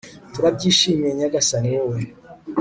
turabyishimiye nyagasani, wowe